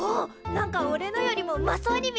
なんかおれのよりもうまそうに見えっぞ！